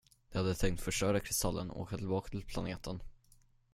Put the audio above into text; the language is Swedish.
De hade tänkt förstöra kristallen och åka tillbaka till planeten.